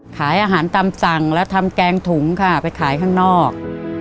ขายอาหารตามสั่งแล้วทำแกงถุงค่ะไปขายข้างนอก